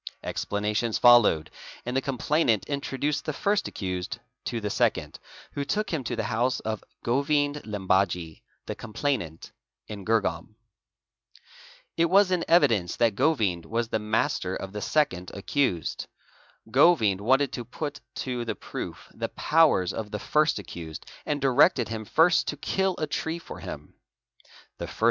Explanations followed, and the complainant "introduced the first accused to the second, who took him to the house of | Govind Limbaji, the complainant, in Girgaum. It was in evidence that Go vind was the master of the second accused. Govind wanted to put to ; ie proof the powers of the first accused and directed him first to kill a tree for him. 'The first.